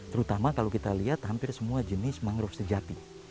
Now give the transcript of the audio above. terutama kalau kita lihat hampir semua jenis mangrove sejati